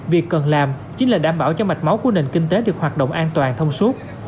việc cần làm chính là đảm bảo cho mạch máu của nền kinh tế được hoạt động an toàn thông suốt